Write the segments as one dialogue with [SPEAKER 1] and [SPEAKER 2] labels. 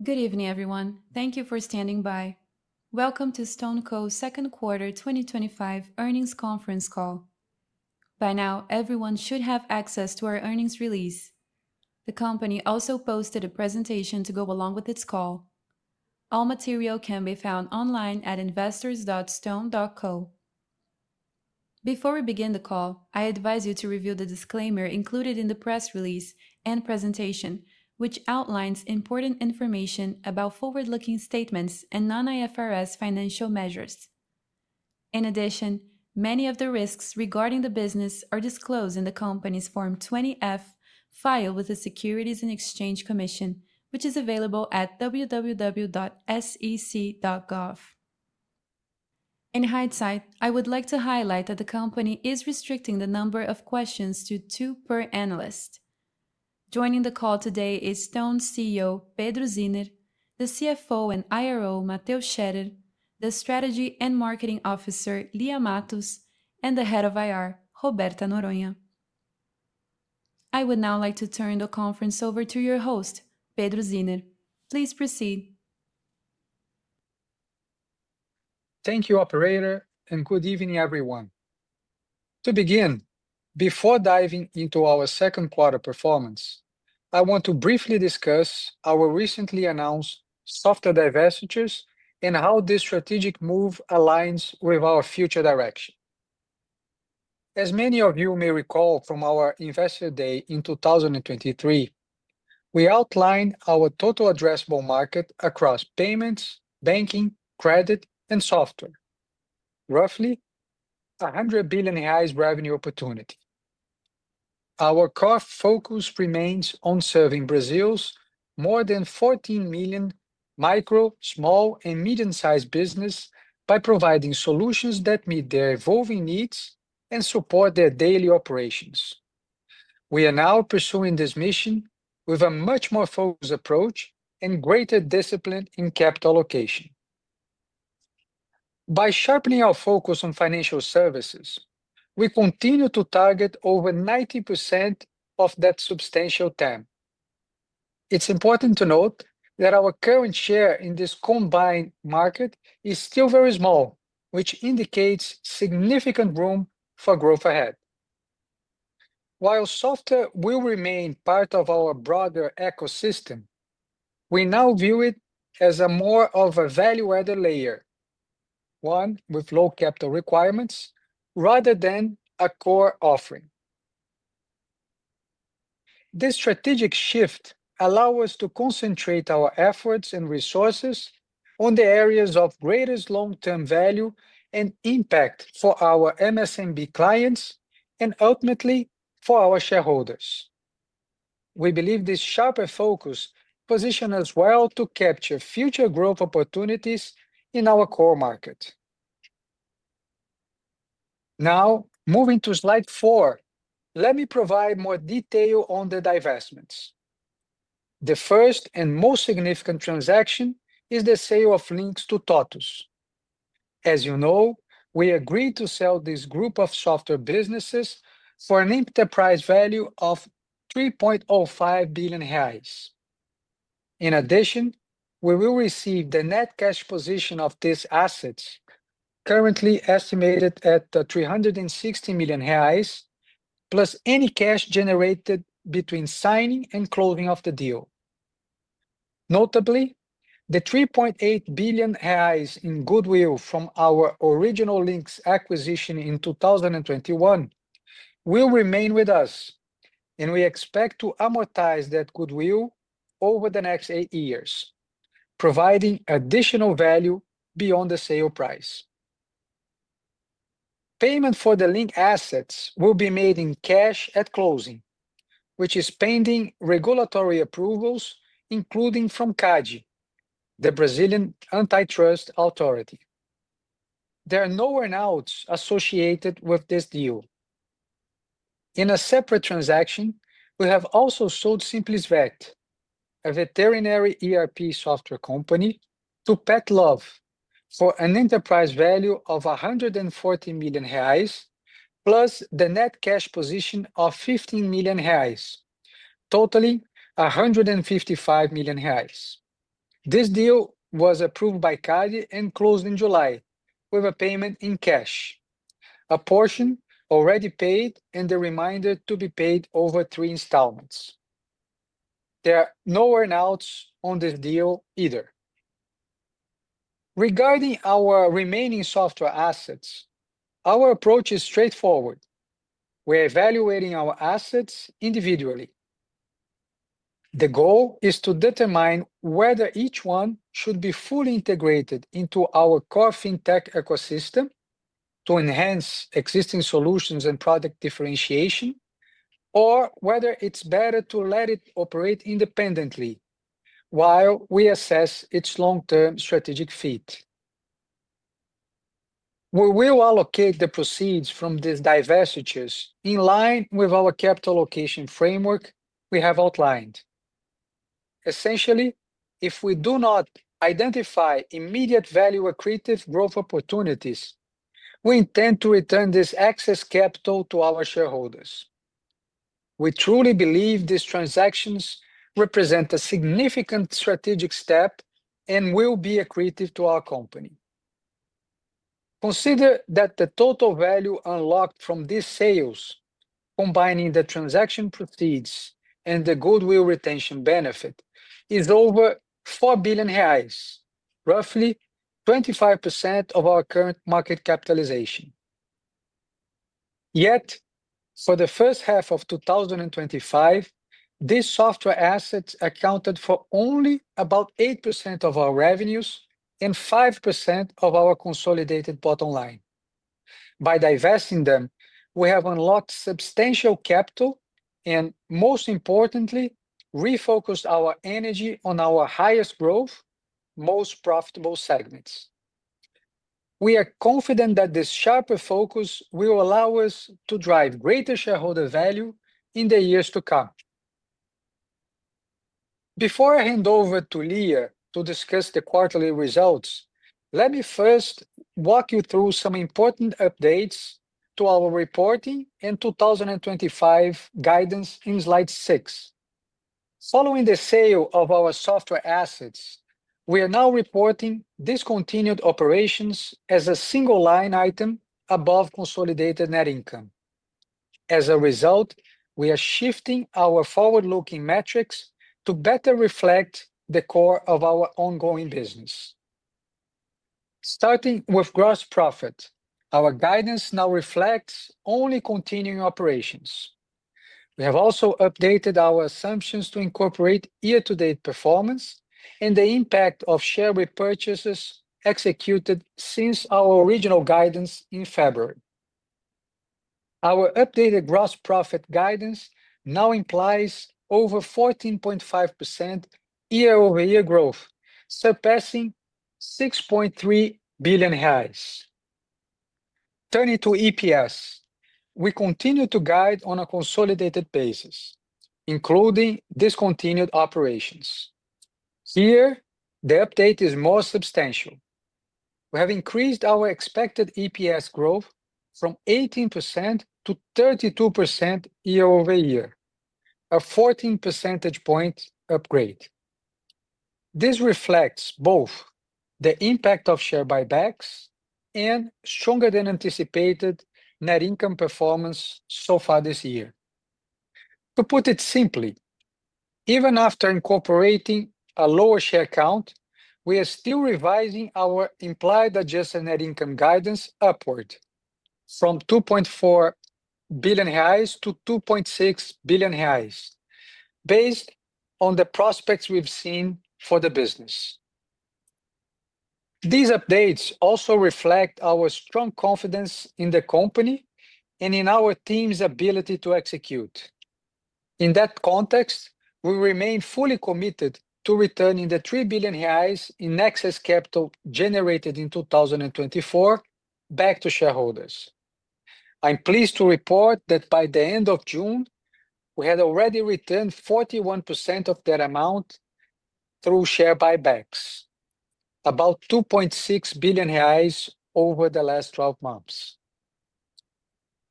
[SPEAKER 1] Good evening everyone. Thank you for standing by. Welcome to StoneCo Second Quarter 2025 Earnings Conference Call. By now everyone should have access to our earnings release. The company also posted a presentation to go along with this call. All material can be found online at Investors StoneCo. Before we begin the call, I advise you to review the disclaimer included in the press release and presentation, which outlines important information about forward-looking statements and non-IFRS financial measures. In addition, many of the risks regarding the business are disclosed in the company's Form 20-F filed with the Securities and Exchange Commission, which is available at www.sec.gov. I would like to highlight that the company is restricting the number of questions to two per analyst. Joining the call today is StoneCo CEO Pedro Zinner, the CFO and IRO Mateus Scherer, the Strategy and Marketing Officer Lia Matos, and the Head of Investor Relations, Roberta Noronha. I would now like to turn the conference over to your host, Pedro Zinner. Please proceed.
[SPEAKER 2] Thank you, Operator, and good evening, everyone. To begin, before diving into our second quarter performance, I want to briefly discuss our recently announced software divestitures and how this strategic move aligns with our future direction. As many of you may recall from our Investor Day in 2023, we outlined our total addressable market across payments, banking, credit, and software. Roughly R$100 billion annual revenue opportunity, our core focus remains on serving Brazil's more than 14 million micro, small, and medium-sized businesses by providing solutions that meet their evolving needs and support their daily operations. We are now pursuing this mission with a much more focused approach and greater discipline in capital allocation. By sharpening our focus on financial services, we continue to target over 90% of that substantial TAM. It's important to note that our current share in this combined market is still very small, which indicates significant room for growth ahead. While software will remain part of our broader ecosystem, we now view it as more of a value-added layer with low capital requirements rather than a core offering. This strategic shift allows us to concentrate our efforts and resources on the areas of greatest long-term value and impact for our MSMB clients and ultimately for our shareholders. We believe this sharper focus positions us well to capture future growth opportunities in our core market. Now, moving to Slide 4, let me provide more detail on the divestments. The first and most significant transaction is the sale of Linx to TOTVS S.A. As you know, we agreed to sell this group of software businesses for an enterprise value of R$3.05 billion. In addition, we will receive the net cash position of these assets, currently estimated at R$360 million, plus any cash generated between signing and closing of the deal. Notably, the R$3.8 billion in goodwill from our original Linx acquisition in 2021 will remain with us, and we expect to amortize that goodwill over the next eight years, providing additional value beyond the sale price. Payment for the Linx assets will be made in cash at closing, which is pending regulatory approvals, including from CADE, the Brazilian antitrust authority. There are no earnouts associated with this deal. In a separate transaction, we have also sold SimplesVet, a veterinary ERP software company, to Petlove for an enterprise value of R$140 million plus the net cash position of R$15 million, totaling R$155 million. This deal was approved by CADE and closed in July with a payment in cash, a portion already paid and the remainder to be paid over three installments. There are no earn outs on the deal either. Regarding our remaining software assets, our approach is straightforward. We are evaluating our assets individually. The goal is to determine whether each one should be fully integrated into our core fintech ecosystem to enhance existing solutions and product differentiation, or whether it's better to let it operate independently while we assess its long term strategic fit. We will allocate the proceeds from these divestitures in line with our capital allocation framework we have outlined. Essentially, if we do not identify immediate value accretive growth opportunities, we intend to return this excess capital to our shareholders. We truly believe these transactions represent a significant strategic step and will be accretive to our company. Consider that the total value unlocked from these sales, combining the transaction proceeds and the goodwill retention benefit, is over R$4 billion, roughly 25% of our current market capitalization. Yet for the first half of 2025, this software asset accounted for only about 8% of our revenues and 5% of our consolidated bottom line. By divesting them, we have unlocked substantial capital and most importantly, refocused our energy on our highest growth, most profitable segments. We are confident that this sharper focus will allow us to drive greater shareholder value in the years to come. Before I hand over to Lia Matos to discuss the quarterly results, let me first walk you through some important updates to our reporting and 2025 guidance in Slide 6. Following the sale of our software assets, we are now reporting discontinued operations as a single line item above consolidated net income. As a result, we are shifting our forward looking metrics to better reflect the core of our ongoing business, starting with gross profit. Our guidance now reflects only continuing operations. We have also updated our assumptions to incorporate year to date performance and the impact of share repurchases executed since our original guidance in February. Our updated gross profit guidance now implies over 14.5% year-over-year growth, surpassing R$6.3 billion highs. Turning to EPS, we continue to guide on a consolidated basis, including discontinued operations. Here the update is more substantial. We have increased our expected EPS growth from 18% to 32% year-over-year, a 14 percentage point upgrade. This reflects both the impact of share buybacks and stronger than anticipated net income performance so far this year. To put it simply, even after incorporating a lower share count, we are still revising our implied Adjusted Net Income guidance upward from R$2.4 billion-R$2.6 billion based on the prospects we've seen for the business. These updates also reflect our strong confidence in the company and in our team's ability to execute. In that context, we remain fully committed to returning the R$3 billion in excess capital generated in 2024 back to shareholders. I am pleased to report that by the end of June we had already returned 41% of that amount through share buybacks, about R$2.6 billion over the last 12 months.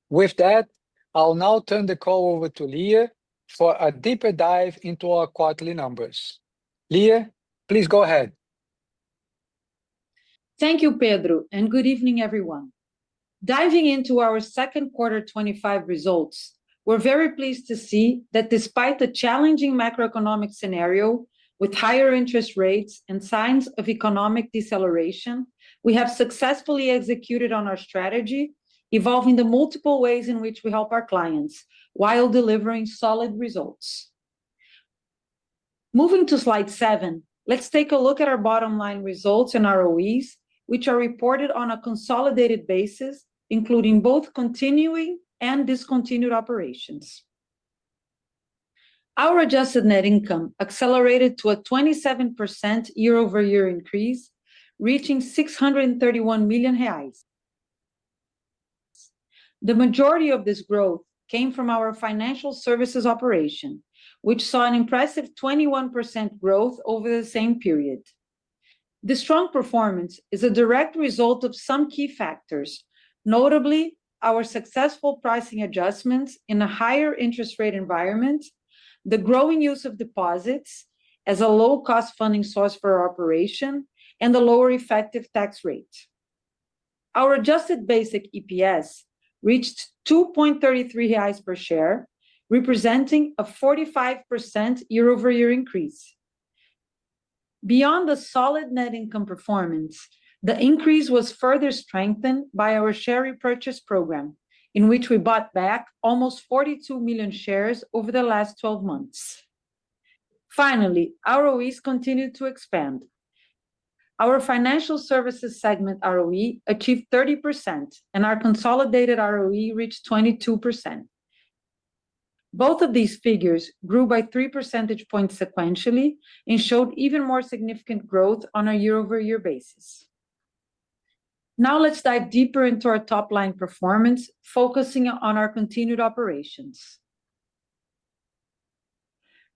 [SPEAKER 2] With that, I'll now turn the call over to Lia for a deeper dive into our quarterly numbers. Lia, please go ahead.
[SPEAKER 3] Thank you, Pedro, and good evening, everyone. Diving into our second quarter 2025 results, we're very pleased to see that despite the challenging macroeconomic scenario with higher interest rates and signs of economic deceleration, we have successfully executed on our strategy, evolving the multiple ways in which we help our clients while delivering solid results. Moving to slide seven, let's take a look at our bottom line results and ROEs, which are reported on a consolidated basis, including both continuing and discontinued operations. Our adjusted net income accelerated to a 27% year-over-year increase, reaching R$631 million. The majority of this growth came from our financial services operation, which saw an impressive 21% growth over the same period. The strong performance is a direct result of some key factors, notably our successful pricing adjustments in a higher interest rate environment, the growing use of deposits as a low-cost funding source for our operation, and a lower effective tax rate. Our adjusted basic EPS reached R$2.33 per share, representing a 45% year-over-year increase beyond the solid net income performance. The increase was further strengthened by our share repurchase program, in which we bought back almost 42 million shares over the last 12 months. Finally, ROEs continue to expand. Our Financial Services segment ROE achieved 30%, and our consolidated ROE reached 22%. Both of these figures grew by 3 percentage points sequentially and showed even more significant growth on a year-over-year basis. Now let's dive deeper into our top line performance, focusing on our continued operations.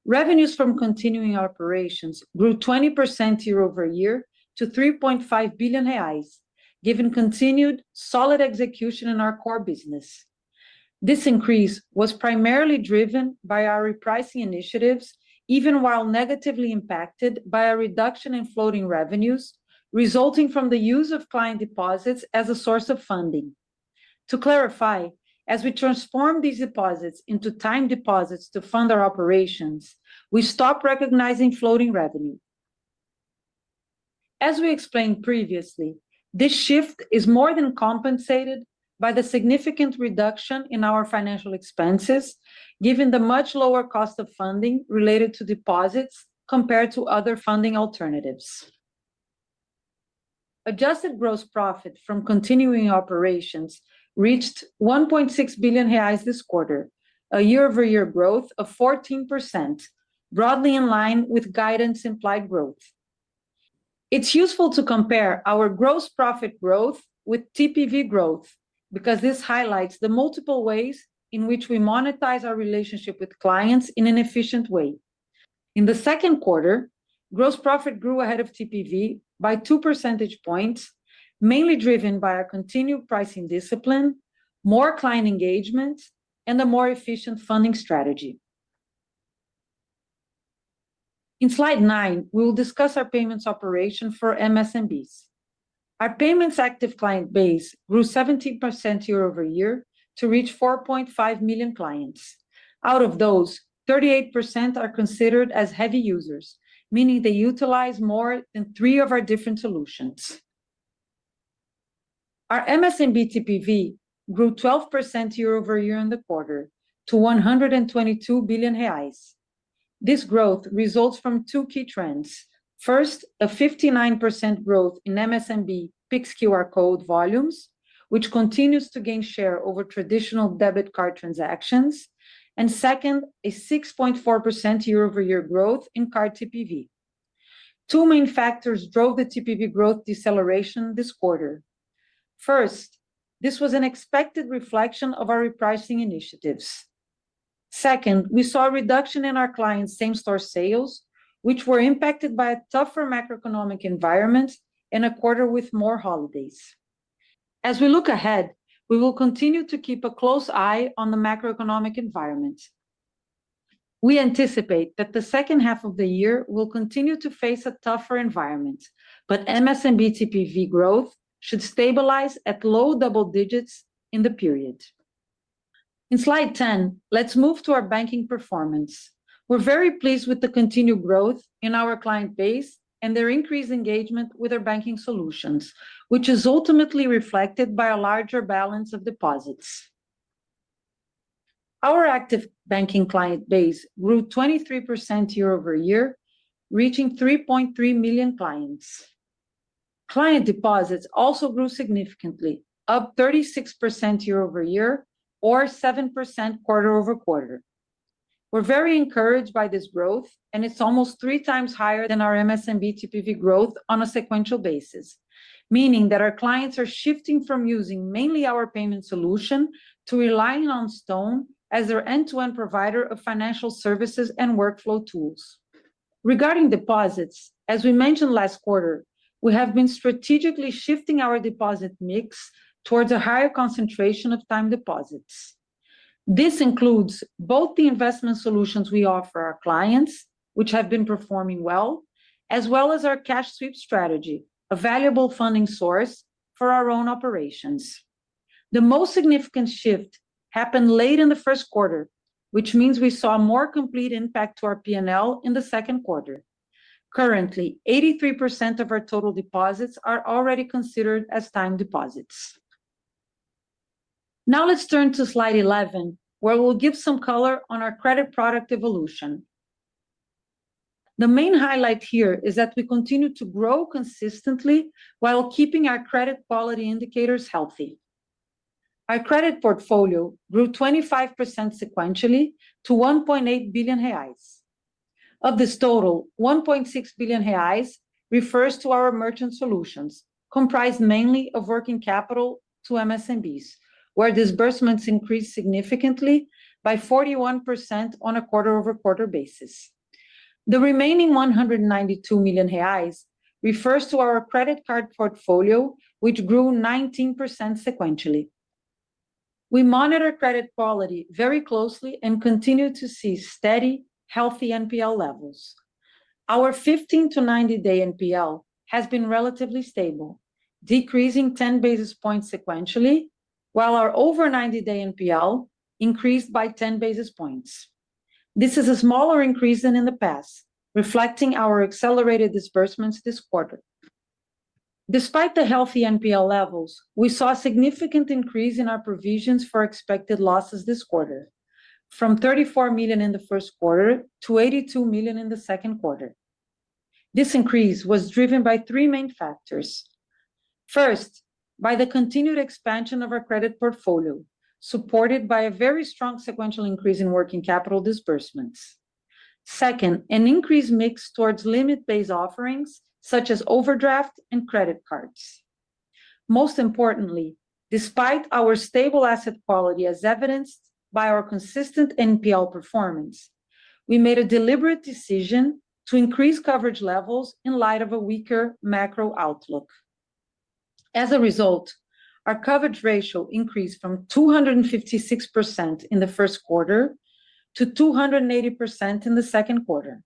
[SPEAKER 3] Revenues from continuing operations grew 20% year-over-year to R$3.5 billion, given continued solid execution in our core business. This increase was primarily driven by our repricing initiatives, even while negatively impacted by a reduction in floating revenues resulting from the use of client deposits as a source of funding. To clarify, as we transform these deposits into time deposits to fund our operations, we stop recognizing floating revenue. As we explained previously, this shift is more than compensated by the significant reduction in our financial expenses, given the much lower cost of funding related to deposits compared to other funding alternatives. Adjusted gross profit from continuing operations reached R$1.6 billion this quarter, a year-over-year growth of 14%, broadly in line with guidance implied growth. It's useful to compare our gross profit growth with TPV growth because this highlights the multiple ways in which we monetize our relationship with clients in an efficient way. In the second quarter, gross profit grew ahead of TPV by 2 percentage points, mainly driven by our continued pricing discipline, more client engagement, and a more efficient funding strategy. In slide 9, we will discuss our payments operation for MSMBs. Our payments active client base grew 17% year-over-year to reach 4.5 million clients. Out of those, 38% are considered as heavy users, meaning they utilize more than three of our different solutions. Our MSMB TPV grew 12% year-over-year in the quarter to R$122 billion. This growth results from two key factors: first, a 59% growth in MSMB PIX QR code volumes, which continues to gain share over traditional debit card transactions, and second, a 6.4% year-over-year growth in card TPV. Two main factors drove the TPV growth deceleration this quarter. First, this was an expected reflection of our repricing initiatives. Second, we saw a reduction in our clients' same store sales, which were impacted by a tougher macroeconomic environment and a quarter with more holidays. As we look ahead, we will continue to keep a close eye on the macroeconomic environment. We anticipate that the second half of the year will continue to face a tougher environment, but MSMB TPV growth should stabilize at low double digits in the period. In slide 10, let's move to our banking performance. We're very pleased with the continued growth in our client base and their increased engagement with our banking solutions, which is ultimately reflected by a larger balance of deposits. Our active banking client base grew 23% year-over-year, reaching 3.3 million clients. Client deposits also grew significantly, up 36% year-over-year or 7% quarter over quarter. We're very encouraged by this growth, and it's almost three times higher than our MSMB TPV growth on a sequential basis, meaning that our clients are shifting from using mainly our payment solution to relying on Stone as their end-to-end provider of financial services and workflow tools. Regarding deposits, as we mentioned last quarter, we have been strategically shifting our deposit mix towards a higher concentration of time deposits. This includes both the investment solutions we offer our clients, which have been performing well, as well as our cash sweep strategy, a valuable funding source for our own operations. The most significant shift happened late in the first quarter, which means we saw more complete impact to our P&L in the second quarter. Currently, 83% of our total deposits are already considered as time deposits. Now let's turn to slide 11 where we will give some color on our credit product evolution. The main highlight here is that we continue to grow consistently while keeping our credit quality indicators healthy. Our credit portfolio grew 25% sequentially to R$1.8 billion. Of this total, R$1.6 billion refers to our merchant solutions comprised mainly of working capital to MSMBs where disbursements increased significantly by 41% on a quarter over quarter basis. The remaining R$192 million refers to our credit card portfolio which grew 19% sequentially. We monitor credit quality very closely and continue to see steady healthy NPL levels. Our 15 to 90 day NPL has been relatively stable, decreasing 10 basis points sequentially while our over 90 day NPL increased by 10 basis points. This is a smaller increase than in the past, reflecting our accelerated disbursements this quarter. Despite the healthy NPL levels, we saw a significant increase in our provisions for expected losses this quarter from R$34 million in the first quarter to R$82 million in the second quarter. This increase was driven by three main factors. First, by the continued expansion of our credit portfolio supported by a very strong sequential increase in working capital disbursements. Second, an increased mix towards limit-based offerings such as overdraft and credit cards. Most importantly, despite our stable asset quality as evidenced by our consistent NPL performance, we made a deliberate decision to increase coverage levels in light of a weaker macro outlook. As a result, our coverage ratio increased from 256% in the first quarter to 280% in the second quarter.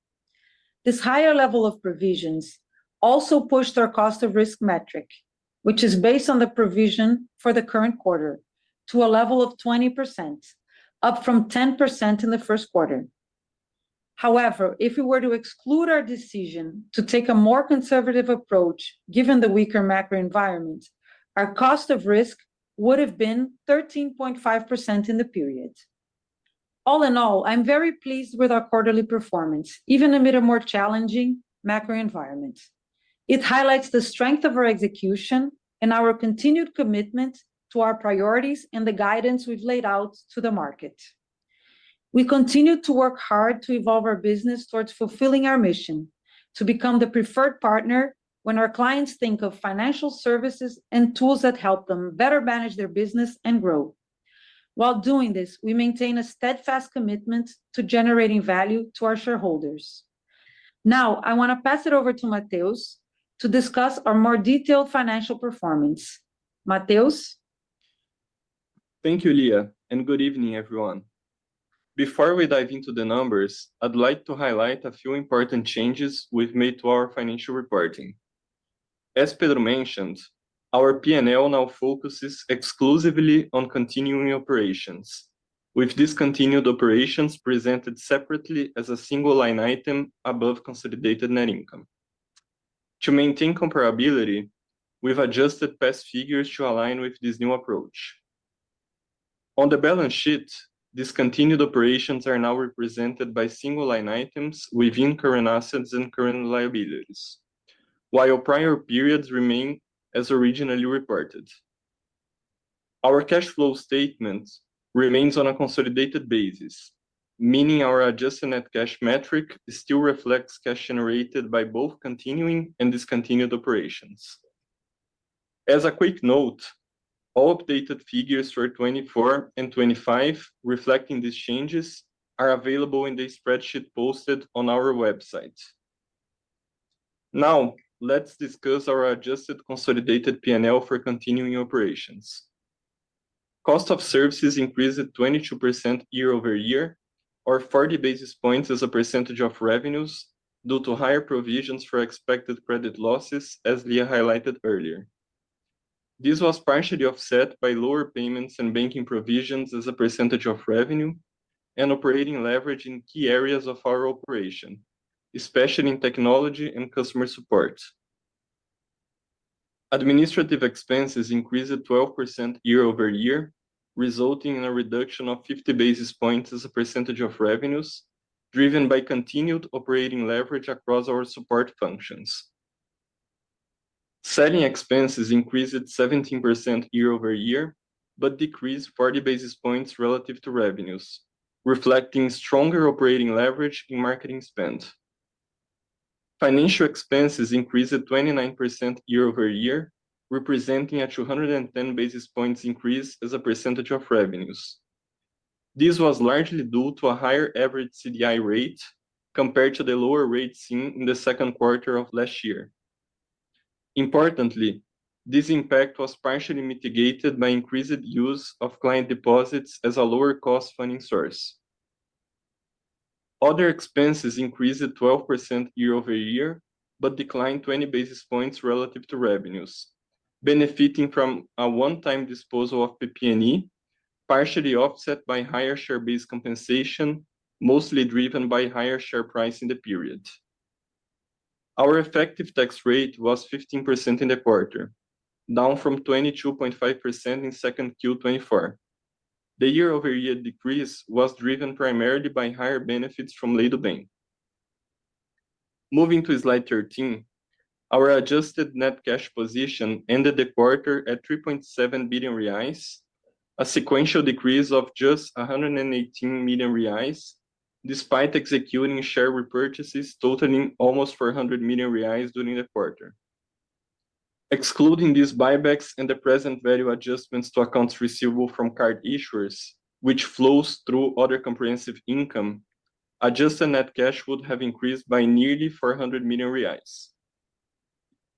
[SPEAKER 3] This higher level of provisions also pushed our cost of risk metric, which is based on the provision for the current quarter, to a level of 20%, up from 10% in the first quarter. However, if we were to exclude our decision to take a more conservative approach, given the weaker macro environment, our cost of risk would have been 13.5% in the period. All in all, I'm very pleased with our quarterly performance even amid a more challenging macro environment. It highlights the strength of our execution and our continued commitment to our priorities and the guidance we've laid out to the market. We continue to work hard to evolve our business towards fulfilling our mission to become the preferred partner when our clients think of financial services and tools that help them better manage their business and grow. While doing this, we maintain a steadfast commitment to generating value to our shareholders. Now I want to pass it over to Mateus to discuss our more detailed financial performance.
[SPEAKER 4] Matthias, thank you, Lia, and good evening everyone. Before we dive into the numbers, I'd like to highlight a few important changes we've made to our financial reporting. As Pedro mentioned, our P&L now focuses exclusively on continuing operations, with discontinued operations presented separately as a single line item above consolidated net income. To maintain comparability, we've adjusted past figures to align with this new approach on the balance sheet. Discontinued operations are now represented by single line items within current assets and current liabilities. While prior periods remain as originally reported, our cash flow statement remains on a consolidated basis, meaning our adjusted net cash metric still reflects cash generated by both continuing and discontinued operations. As a quick note, all updated figures for 2024 and 2025 reflecting these changes are available in the spreadsheet posted on our website. Now let's discuss our adjusted consolidated P&L for continuing operations. Cost of services increased 22% year-over-year or 40 basis points as a percentage of revenues due to higher provisions for expected credit losses. As Lia highlighted earlier, this was partially offset by lower payments and banking provisions as a percentage of revenue and operating leverage in key areas of our operation, especially in technology and customer support. Administrative expenses increased 12% year-over-year, resulting in a reduction of 50 basis points as a percentage of revenues, driven by continued operating leverage across our support functions. Selling expenses increased 17% year-over-year, but decreased 40 basis points relative to revenues, reflecting stronger operating leverage in marketing spend. Financial expenses increased 29% year-over-year, representing a 210 basis points increase as a percentage of revenues. This was largely due to a higher average CDI rate compared to the lower rate seen in the second quarter of last year. Importantly, this impact was partially mitigated by increased use of client deposits as a lower cost funding source. Other expenses increased 12% year-over-year but declined 20 basis points relative to revenues, benefiting from a one-time disposal of PPE, partially offset by higher share-based compensation, mostly driven by higher share price in the period. Our effective tax rate was 15% in the quarter, down from 22.5% in second quarter 2024. The year-over-year decrease was driven primarily by higher benefits from Litto bank. Moving to Slide 13, our adjusted net cash position ended the quarter at R$3.7 billion, a sequential decrease of just R$118 million, despite executing share repurchases totaling almost R$400 million during the quarter. Excluding these buybacks and the present value adjustments to accounts receivable from card issuers, which flows through other comprehensive income, adjusted net cash would have increased by nearly R$400 million.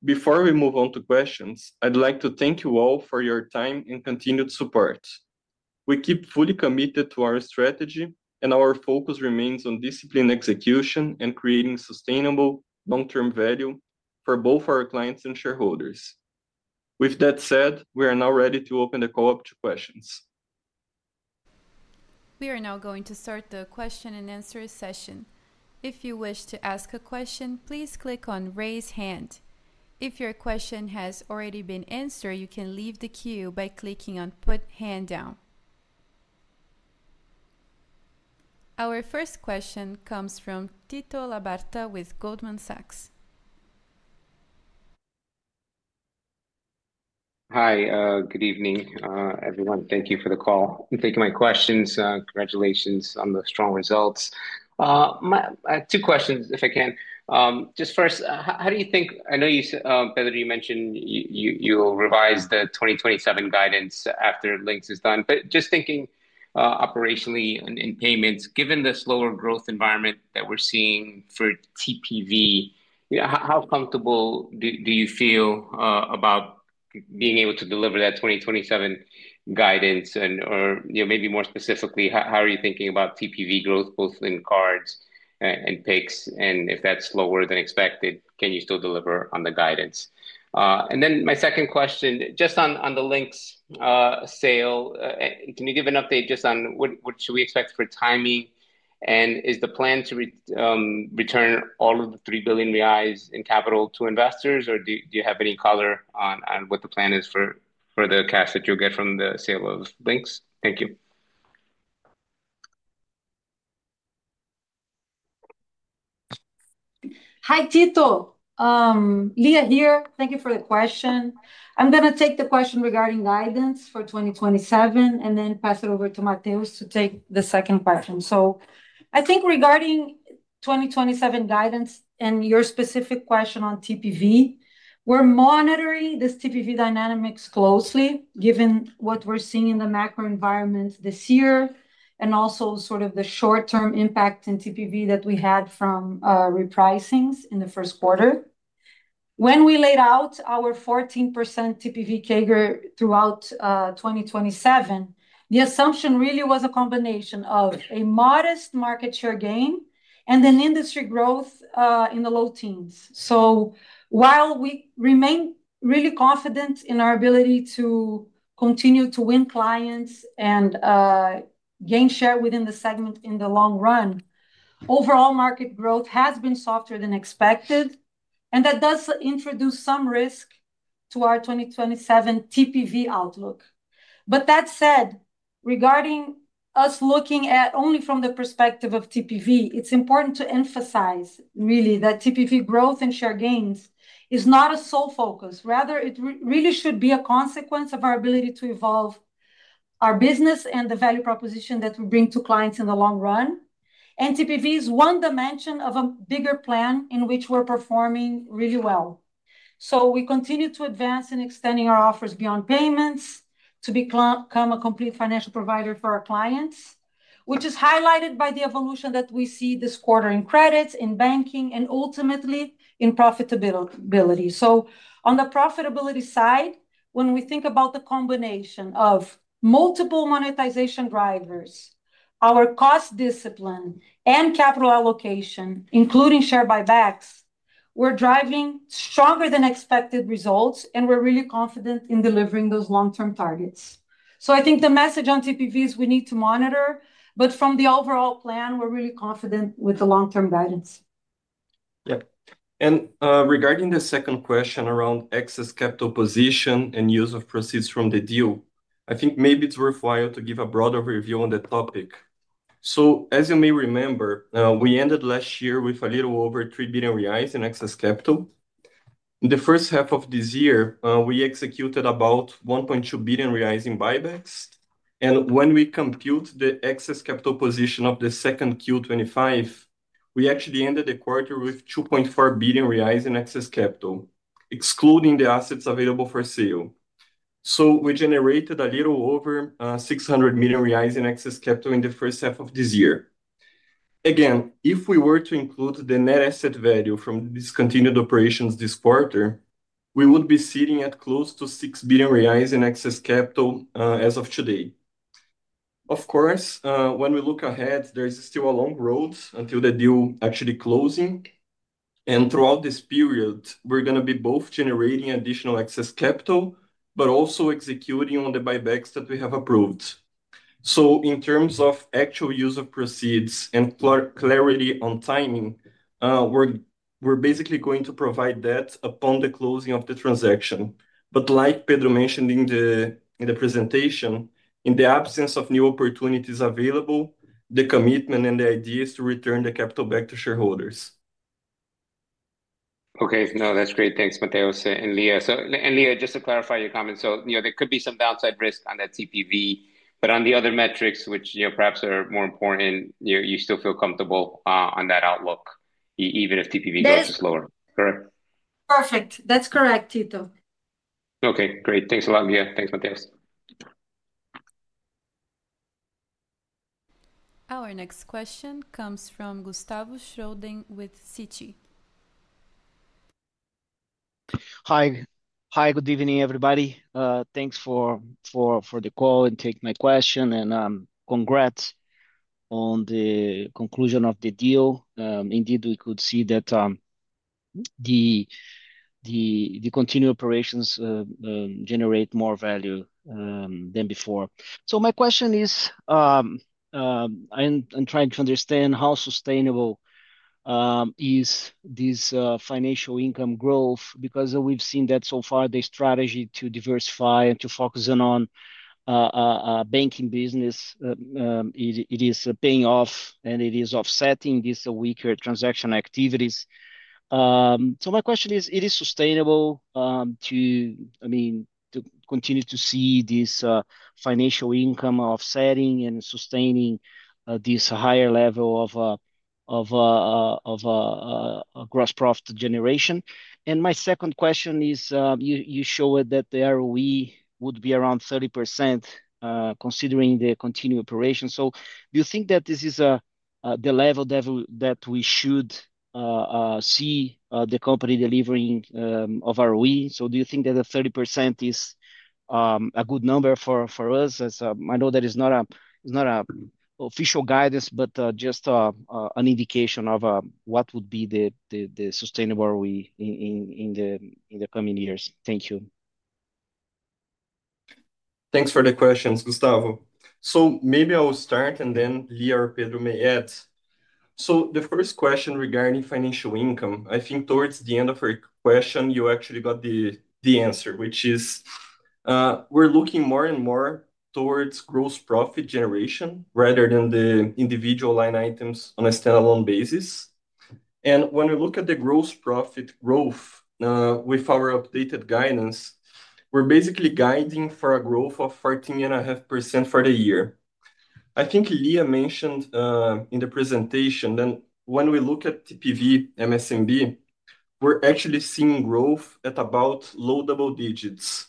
[SPEAKER 4] Before we move on to questions, I'd like to thank you all for your time and continued support. We keep fully committed to our strategy and our focus remains on disciplined execution and creating sustainable long-term value for both our clients and shareholders. With that said, we are now ready to open the call up to questions.
[SPEAKER 1] We are now going to start the question and answer session. If you wish to ask a question, please click on Raise hand. If your question has already been answered, you can leave the queue by clicking on Put hand down. Our first question comes from Tito Labarta with Goldman Sachs.
[SPEAKER 5] Hi, good evening everyone. Thank you for the call and taking my questions. Congratulations on the strong results. I have two questions. First, how do you think, I know Pedro, you mentioned you'll revise the 2027 guidance after Linx is done, but just thinking operationally in payments, given the slower growth environment that we're seeing for TPV, how comfortable do you feel about being able to deliver that 2027 guidance? Maybe more specifically, how are you thinking about TPV growth both in cards and PIX? If that's slower than expected, can you still deliver on the guidance? My second question, just on the Linx sale, can you give an update on what we should expect for timing and is the plan to return all of the R$3 billion in capital to investors? Do you have any color on what the plan is for the cash that you'll get from the sale of Linx? Thank you.
[SPEAKER 3] Hi Tito, Lia here. Thank you for the question. I'm going to take the question regarding guidance for 2027 and then pass it over to Mateus to take the second question. I think regarding 2027 guidance and your specific question on TPV, we're monitoring this TPV dynamics closely given what we're seeing in the macro environment this year and also sort of the short-term impact in TPV that we had from repricings in the first quarter. When we laid out our 14% TPV CAGR throughout 2027, the assumption really was a combination of a modest market share gain and an industry growth in the low teens. While we remain really confident in our ability to continue to win clients and gain share within the segment, in the long run, overall market growth has been softer than expected and that does introduce some risk to our 2027 TPV outlook. That said, regarding us looking at only from the perspective of TPV, it's important to emphasize really that TPV growth and share gains is not a sole focus. Rather, it really should be a consequence of our ability to evolve our business and the value proposition that we bring to clients in the long run. TPV is one dimension of a bigger plan in which we're performing really well. We continue to advance in extending our offers beyond payments to become a complete financial provider for our clients, which is highlighted by the evolution that we see this quarter in credits, in banking and ultimately in profitability. On the profitability side, when we think about the combination of multiple monetization drivers, our cost discipline and capital allocation, including share buybacks, we're driving stronger than expected results and we're really confident in delivering those long-term targets. I think the message on TPV is we need to monitor, but from the overall plan we're really confident with the long-term balance.
[SPEAKER 5] Yep.
[SPEAKER 4] Regarding the second question around excess capital position and use of proceeds from the deal, I think maybe it's worthwhile to give a broad overview on the topic. As you may remember, we ended last year with a little over R$3 billion in excess capital. In the first half of this year, we executed about R$1.2 billion in buybacks. When we compute the excess capital position of the second quarter of 2025, we actually ended the quarter with R$2.4 billion in excess capital, excluding the assets available for sale. We generated a little over R$600 million in excess capital in the first half of this year. If we were to include the net asset value from discontinued operations this quarter, we would be sitting at close to R$6 billion in excess capital. As of today, of course, when we look ahead, there is still a long road until the deal actually closes. Throughout this period, we are going to be both generating additional excess capital and executing on the buybacks that we have approved. In terms of actual use of proceeds and clarity on timing, we are basically going to provide that upon the closing of the transaction. Like Pedro mentioned in the presentation, in the absence of new opportunities available, the commitment and the idea is to return the capital back to shareholders.
[SPEAKER 5] Okay, no, that's great. Thanks, Mateus and Lia. Lia, just to clarify your comments, there could be some downside risk on that TPV, but on the other metrics, which perhaps are more important, you still feel comfortable on that outlook even if TPV growth is lower. Correct?
[SPEAKER 3] Perfect. That's correct, Tito.
[SPEAKER 5] Okay, great. Thanks a lot, Lia. Thanks, Mateus.
[SPEAKER 1] Our next question comes from Gustavo Schroden with Citi.
[SPEAKER 6] Hi. Hi. Good evening, everybody. Thanks for the call and taking my question, and congrats on the conclusion of the deal. Indeed, we could see that the continued operations generate more value than before. My question is I'm trying to understand how sustainable is this financial income growth. We've seen that so far the strategy to diversify and to focus on banking business is paying off and it is offsetting this weaker transaction activities. My question is, is it sustainable to continue to see this financial income offsetting and sustaining this higher level of gross profit generation. My second question is you showed that the ROE would be around 30% considering the continued operation. Do you think that this is the level that we should see the company delivering of ROE? Do you think that the 30% is a good number for us? I know that is not official guidance, but just an indication of what would be sustainable in the coming years. Thank you.
[SPEAKER 4] Thanks for the questions, Gustavo. Maybe I'll start and then Lia or Pedro may add. The first question regarding financial income, I think towards the end of your question you actually got the answer, which is we're looking more and more towards gross profit generation rather than the individual line items on a standalone basis. When we look at the gross profit growth with our updated guidance, we're basically guiding for a growth of 14.5% for the year. I think Lia mentioned in the presentation. When we look at TPV MSMB, we're actually seeing growth at about low double digits.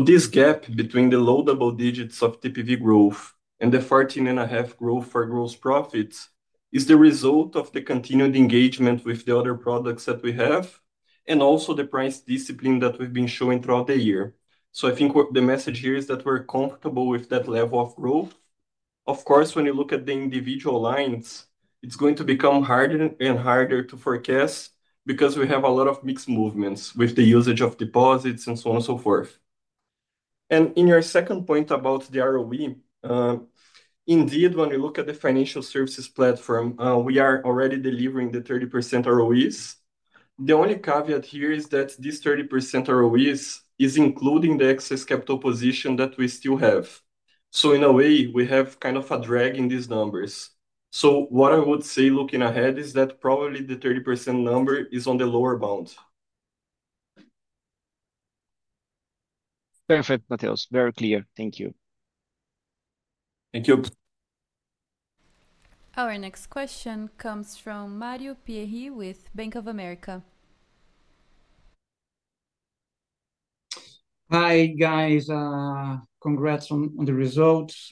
[SPEAKER 4] This gap between the low double digits of TPV growth and the 14.5% growth for gross profits is the result of the continued engagement with the other products that we have and also the price discipline that we've been showing throughout the year. I think the message here is that we're comfortable with that level of growth. Of course, when you look at the individual lines, it's going to become harder and harder to forecast because we have a lot of mixed movements with the usage of deposits and so on and so forth. In your second point about the ROE, indeed, when we look at the financial services platform, we are already delivering the 30% ROEs. The only caveat here is that this 30% ROE is including the excess capital position that we still have. In a way, we have kind of a drag in these numbers. What I would say looking ahead is that probably the 30% number is on the lower bound.
[SPEAKER 6] Perfect, Mateus. Very clear. Thank you.
[SPEAKER 4] Thank you.
[SPEAKER 1] Our next question comes from Mario Pierry with Bank of America.
[SPEAKER 7] Hi guys. Congrats on the results.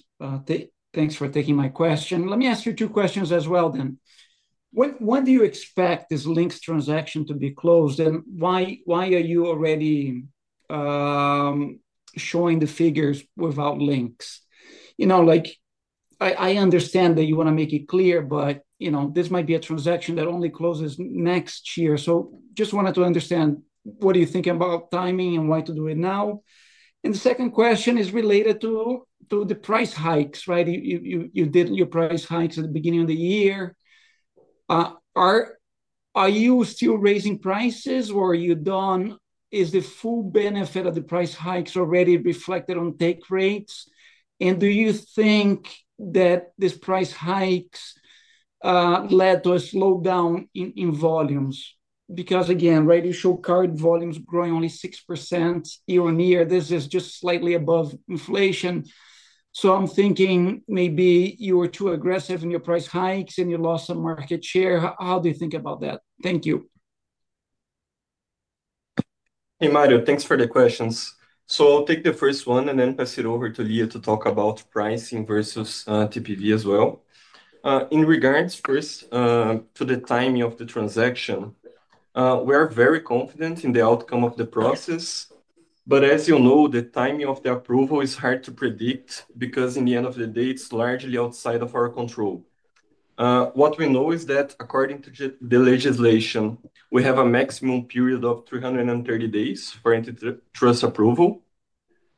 [SPEAKER 7] Thanks for taking my question. Let me ask you two questions as well. When do you expect this Linx transaction to be closed? Why are you already showing the figures without Linx? I understand that you want to make it clear, but this might be a transaction that only closes next year. I just wanted to understand what you think about timing and why do it now. The second question is related to the price hikes, right? You did your price hikes at the beginning of the year. Are you still raising prices or are you done? Is the full benefit of the price hikes already reflected on take rates? Do you think that these price hikes led to a slowdown in volumes? You show card volumes growing only 6% year on year. This is just slightly above inflation. I'm thinking maybe you were too aggressive in your price hikes and you lost some market share. How do you think about that? Thank you.
[SPEAKER 4] Hey Mario, thanks for the questions. I'll take the first one and then pass it over to Lia to talk about pricing versus TPV as well. In regards first to the timing of the transaction, we are very confident in the outcome of the process. As you know, the timing of the approval is hard to predict because at the end of the day it's largely outside of our control. What we know is that according to the legislation, we have a maximum period of 330 days for antitrust approval.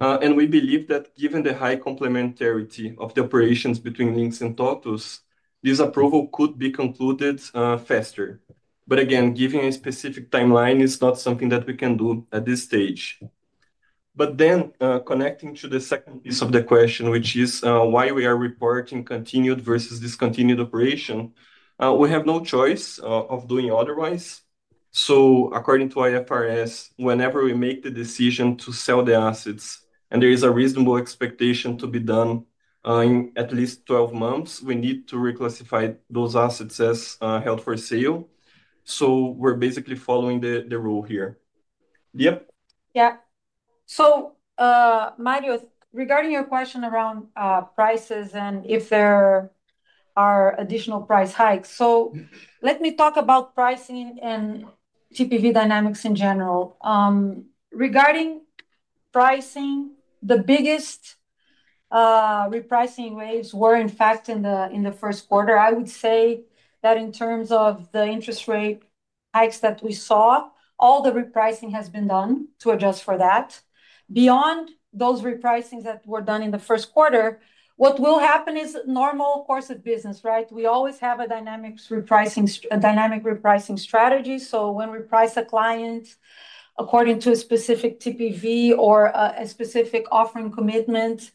[SPEAKER 4] We believe that given the high complementarity of the operations between Linx and TOTVS S.A., this approval could be concluded faster. Again, giving a specific timeline is not something that we can do at this stage. Connecting to the second piece of the question, which is why we are reporting continued versus discontinued operation, we have no choice of doing otherwise. According to IFRS, whenever we make the decision to sell the assets and there is a reasonable expectation to be done in at least 12 months, we need to reclassify those assets as held for sale. We're basically following the rule here. Yep.
[SPEAKER 3] Yeah. So Marius, regarding your question around prices and if there's our additional price hikes. Let me talk about pricing and TPV dynamics in general. Regarding pricing, the biggest repricing waves were in fact in the first quarter. I would say that in terms of the interest rate hikes that we saw, all the repricing has been done to adjust for that. Beyond those repricings that were done in the first quarter, what will happen is normal course of business. Right. We always have a dynamic repricing strategy. When we price a client according to a specific TPV or a specific offering commitment,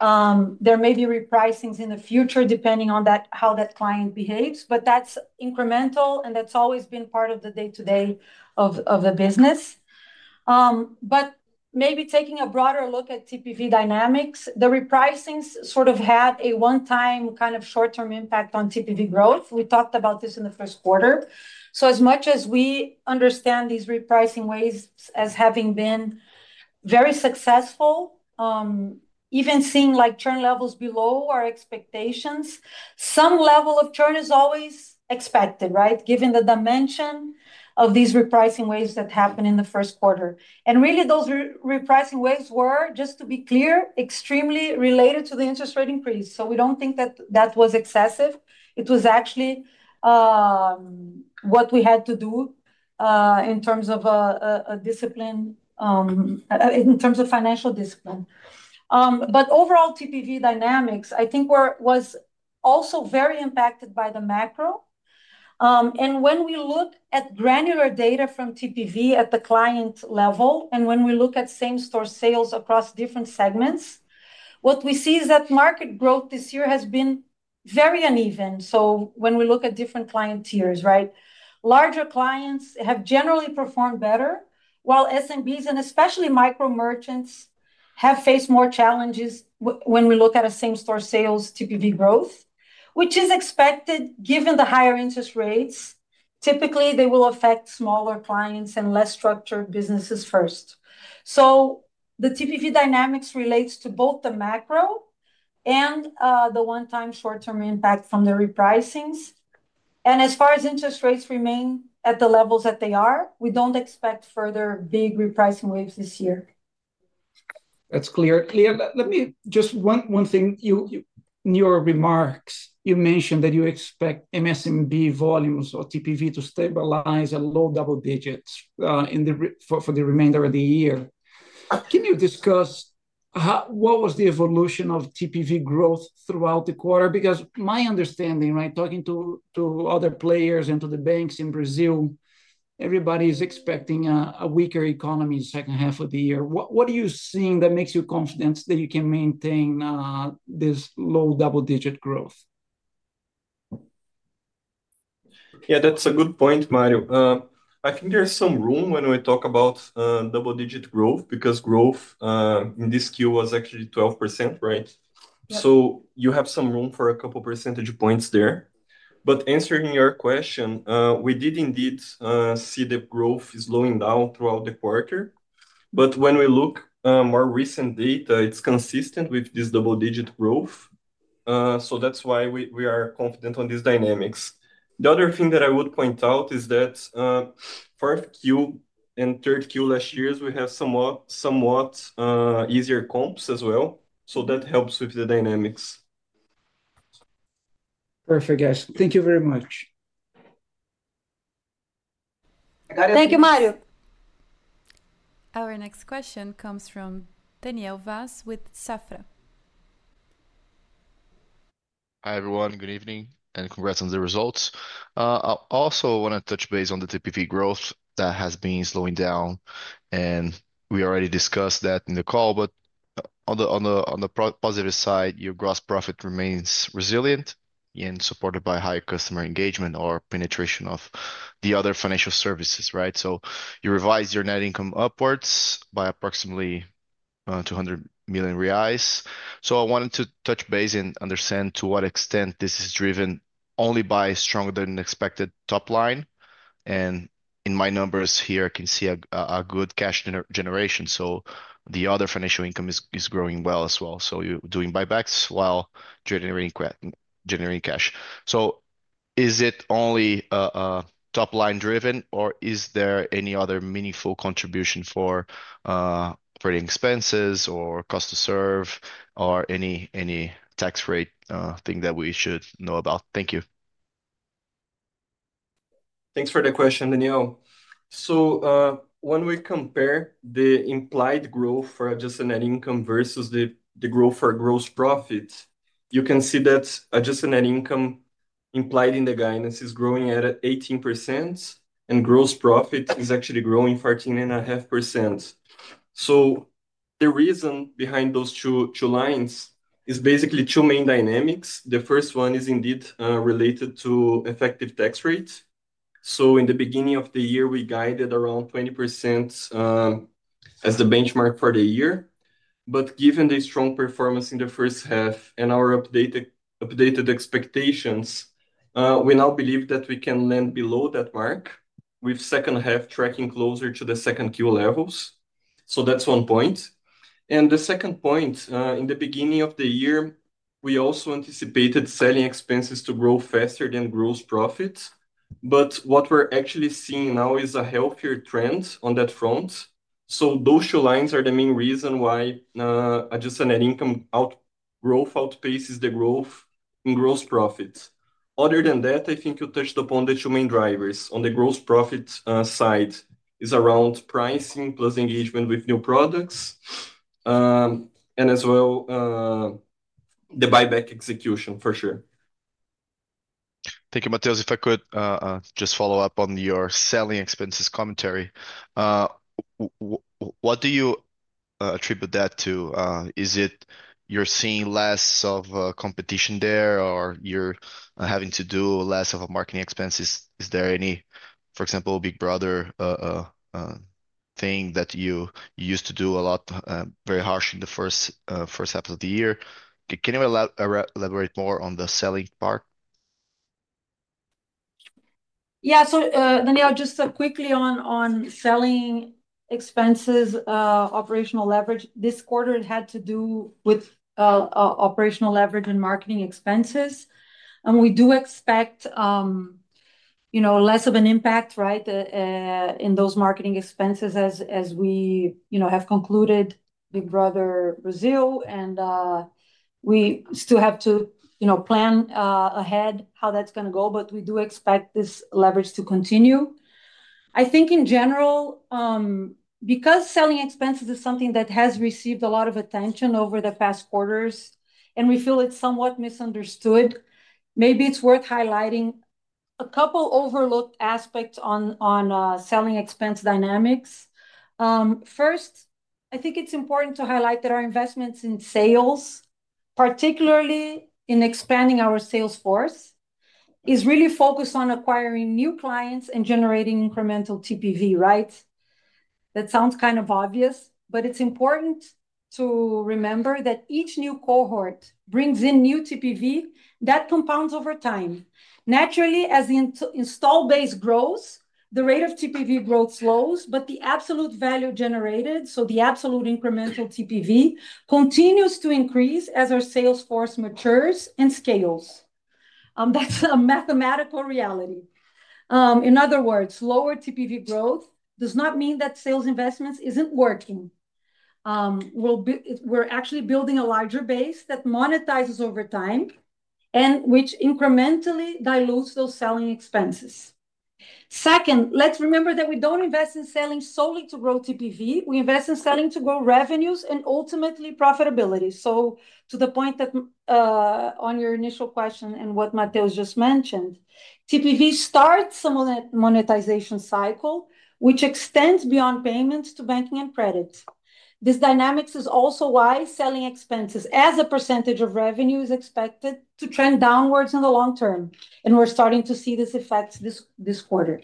[SPEAKER 3] there may be repricings in the future depending on how that client behaves. That's incremental and that's always been part of the day to day of the business. Maybe taking a broader look at TPV dynamics, the repricings had a one time kind of short term impact on TPV growth. We talked about this in the first quarter. As much as we understand these repricing waves as having been very successful, even seeing churn levels below our expectations, some level of churn is always expected. Right. Given the dimension of these repricing waves that happened in the first quarter. Those repricing waves were, just to be clear, extremely related to the interest rate increase. We don't think that that was excessive. It was actually what we had to do in terms of discipline, in terms of financial discipline. Overall TPV dynamics I think was also very impacted by the macro. When we look at granular data from TPV at the client level, and when we look at same store sales across different segments, what we see is that market growth this year has been very uneven. When we look at different client tiers, larger clients have generally performed better while SMBs and especially micro merchants have faced more challenges. When we look at same store sales TPV growth, which is expected given the higher interest rates, typically they will affect smaller clients and less structured businesses first. The TPV dynamics relates to both the macro and the one time short term impact from the repricings. As far as interest rates remain at the levels that they are, we don't expect further big repricing waves this year.
[SPEAKER 7] That's clear. Let me just ask one thing. In your remarks, you mentioned that you expect MSMB volumes or TPV to stabilize at low double digits for the remainder of the year. Can you discuss what was the evolution of TPV growth throughout the quarter? My understanding, talking to other players and to the banks in Brazil, is that everybody is expecting a weaker economy in the second half of the year. What are you seeing that makes you confident that you can maintain this low double digit growth?
[SPEAKER 4] Yeah, that's a good point, Mario. I think there's some room when I talk about double digit growth because growth in this skill was actually 12%. Right. You have some room for a couple percentage points there. Answering your question, we did indeed see the growth slowing down throughout the quarter. When we look at more recent data, it's consistent with this double digit growth. That's why we are confident on these dynamics. The other thing that I would point out is that fourth quarter and third quarter last years we have somewhat, somewhat easier comps as well. That helps with the dynamics.
[SPEAKER 7] Perfect, guys. Thank you very much.
[SPEAKER 3] Thank you, Mario.
[SPEAKER 1] Our next question comes from Daniel Vaz with Safra.
[SPEAKER 8] Hi everyone. Good evening and congrats on the results. I also want to touch base on the TPV growth that has been slowing down and we already discussed that in the call. On the positive side, your gross profit remains resilient and supported by high customer engagement or penetration of the other financial services. Right. You revise net income upwards by approximately R$200 million. I wanted to touch base and understand to what extent this is driven only by stronger than expected top line. In my numbers here I can see a good cash generation. The other financial income is growing well as well. You're doing buybacks while generating cash. Is it only top line driven or is there any other meaningful contribution for expenses or cost to serve or any tax rate thing that we should know about? Thank you.
[SPEAKER 4] Thanks for the question, Daniel. When we compare the implied growth for adjusted net income versus the growth for gross profit, you can see that adjusted net income implied in the guidance is growing at 18% and gross profit is actually growing 14.5%. The reason behind those two lines is basically two main dynamics. The first one is indeed related to effective tax rates. In the beginning of the year, we guided around 20% as the benchmark for the year. Given the strong performance in the first half and our updated expectations, we now believe that we can land below that mark with the second half tracking closer to the second quarter levels. That's one point. The second point, in the beginning of the year, we also anticipated selling expenses to grow faster than gross profit. What we're actually seeing now is a healthier trend on that front. Those two lines are the main reason why adjusted net income growth outpaces the growth in gross profit. Other than that, I think you touched upon the two main drivers on the gross profit side, which are around pricing plus engagement with new products and as well the buyback execution for sure.
[SPEAKER 8] Thank you. Mateus, if I could just follow up on your selling expenses commentary. What do you attribute that to? Is it you're seeing less of competition there or you're having to do less of a marketing expenses? Is there any, for example, Big Brother thing that you used to do a lot? Very harsh in the first half of the year. Can you elaborate more on the selling part?
[SPEAKER 3] Yeah. So, Daniel, just quickly on selling expenses, operational leverage this quarter, it had to do with operational leverage and marketing expenses. We do expect less of an impact in those marketing expenses as we have concluded Big Brother Brazil, and we still have to plan ahead how that's going to go. We do expect this leverage to continue, I think, in general, because selling expenses is something that has received a lot of attention over the past quarters, and we feel it's somewhat misunderstood. Maybe it's worth highlighting a couple overlooked aspects on selling expense dynamics. First, I think it's important to highlight that our investments in sales, particularly in expanding our sales force, is really focused on acquiring new clients and generating incremental TPV. That sounds kind of obvious, but it's important to remember that each new cohort brings in new TPV that compounds over time. Naturally, as the install base grows, the rate of TPV growth slows, but the absolute value generated, so the absolute incremental TPV, continues to increase as our sales force matures and scales. That's a mathematical reality. In other words, lower TPV growth does not mean that sales investments isn't working. We're actually building a larger base that monetizes over time and which incrementally dilutes those selling expenses. Second, let's remember that we don't invest in selling solely to grow TPV. We invest in selling to grow revenues and ultimately profitability. To the point on your initial question and what Mateus just mentioned, TPV starts some monetization cycle which extends beyond payments to banking and credit. This dynamics is also why selling expenses as a percentage of revenue is expected to trend downwards in the long term. We're starting to see this effect this quarter.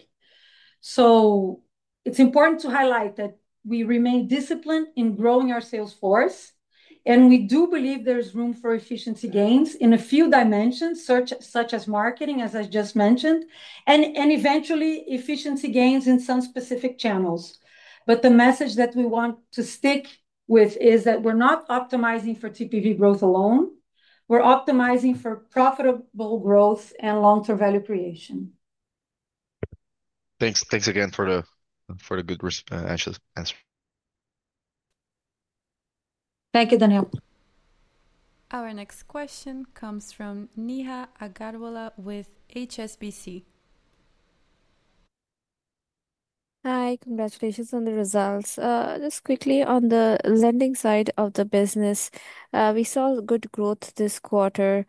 [SPEAKER 3] It's important to highlight that we remain disciplined in growing our sales force. We do believe there's room for efficiency gains in a few dimensions, such as marketing as I just mentioned, and eventually efficiency gains in some specific channels. The message that we want to stick with is that we're not optimizing for TPV growth alone. We're optimizing for profitable growth and long-term value creation.
[SPEAKER 8] Thanks again for the good, anxious answer.
[SPEAKER 3] Thank you, Daniel.
[SPEAKER 1] Our next question comes from Neha Agarwala with HSBC.
[SPEAKER 9] Hi. Congratulations on the results. Just quickly, on the lending side of the business, we saw good growth this quarter.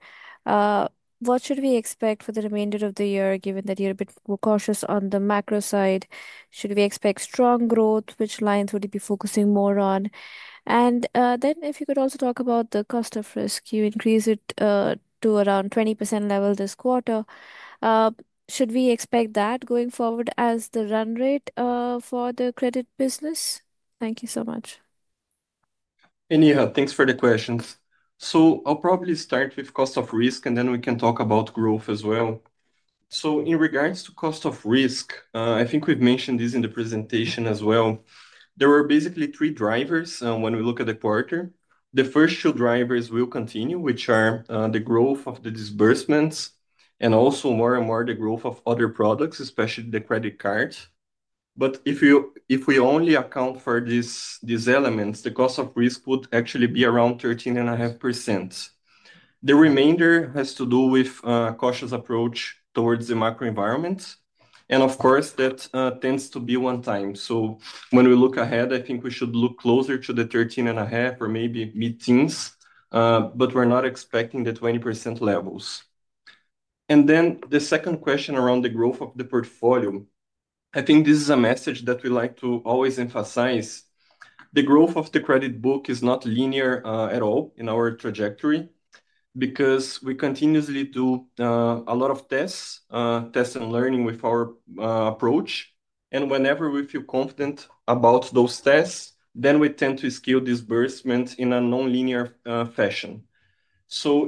[SPEAKER 9] What should we expect for the remainder of the year? Given that you're a bit more cautious on the macro side, should we expect strong growth? Which lines would you be focusing more on? If you could also talk about the cost of risk, you increase it to around 20% level this quarter. Should we expect that going forward as the run rate for the credit business? Thank you so much.
[SPEAKER 4] Anyhow, thanks for the questions. I'll probably start with cost of risk and then we can talk about growth as well. In regards to cost of risk, I think we've mentioned this in the presentation as well. There were basically three drivers. When we look at the quarter, the first two drivers will continue, which are the growth of the disbursements and also more and more the growth of other products, especially the credit cards. If we only account for these elements, the cost of risk would actually be around 13.5%. The remainder has to do with cautious approach towards the macro environment. Of course, that tends to be one time. When we look ahead, I think we should look closer to the 13.5% or maybe mid teens, but we're not expecting the 20% levels. The second question around the growth of the portfolio, I think this is a message that we like to always emphasize. The growth of the credit book is not linear at all in our trajectory because we continuously do a lot of tests and learning with our approach and whenever we feel confident about those tests, then we tend to skew disbursements in a nonlinear fashion.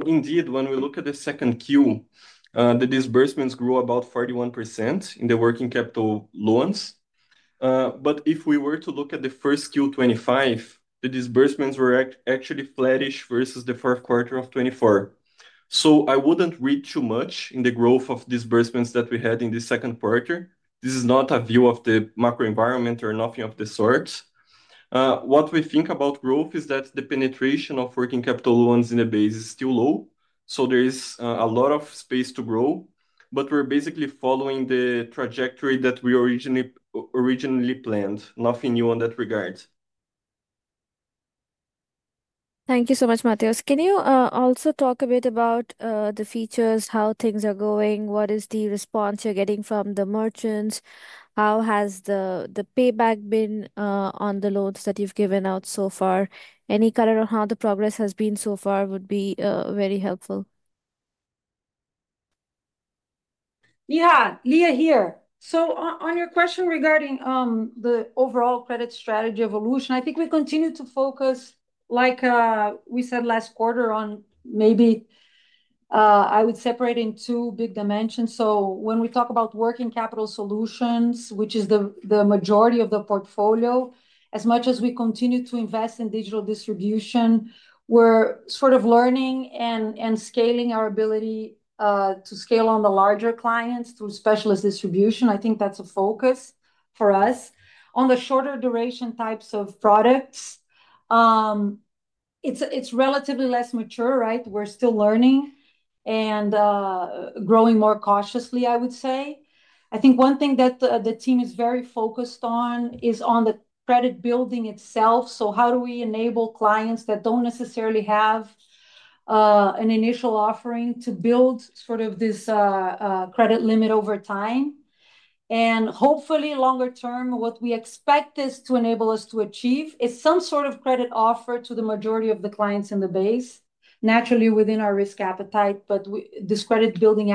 [SPEAKER 4] Indeed, when we look at the second quarter, the disbursements grew about 41% in the working capital loans. If we were to look at the first quarter of 2025, the disbursements were actually flattish versus the fourth quarter of 2024. I wouldn't read too much in the growth of disbursements that we had in the second quarter. This is not a view of the macro environment or anything of the sort. What we think about growth is that the penetration of working capital loans in the base is still low, so there is a lot of space to grow. We're basically following the trajectory that we originally planned. Nothing new on that regard.
[SPEAKER 9] Thank you so much, Mateus. Can you also talk a bit about the features, how things are going? What is the response you're getting from the merchants? How has the payback been on the loans that you've given out so far? Any color on how the progress has been so far would be very helpful.
[SPEAKER 3] Yeah, Lia here. On your question regarding the overall credit strategy evolution, I think we continue to focus, like we said last quarter, on maybe I would separate in two big dimensions. When we talk about working capital solutions, which is the majority of the portfolio, as much as we continue to invest in digital distribution, we're sort of learning and scaling our ability to scale on the larger clients through specialist distribution. I think that's a focus for us on the shorter duration types of products. It's relatively less mature. We're still learning and growing more cautiously, I would say. I think one thing that the team is very focused on is on the credit building itself. How do we enable clients that don't necessarily have an initial offering to build sort of this credit limit over time and hopefully longer term. What we expect this to enable us to achieve is some sort of credit offer to the majority of the clients in the base, naturally within our risk appetite. This credit building